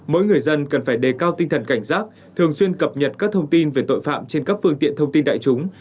mỗi người dân cần phải đề cao tinh thần cảnh giác thường xuyên cập nhật các thông tin về tội phạm trên các phương tiện thông tin đại chúng